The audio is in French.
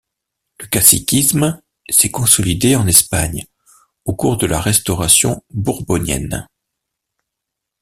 Le caciquisme s'est consolidé en Espagne au cours de la Restauration Bourbonienne.